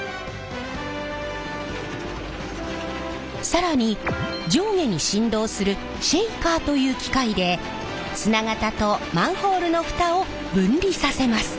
更に上下に振動するシェイカーという機械で砂型とマンホールの蓋を分離させます。